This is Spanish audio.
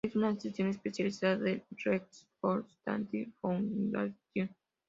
Es una sección especializada del Rec.Sport.Soccer Statistics Foundation.